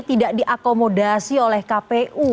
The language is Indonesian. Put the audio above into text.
tidak diakomodasi oleh kpu